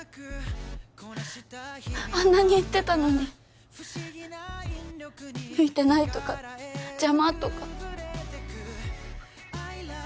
あんなに言ってたのに向いてないとか邪魔とか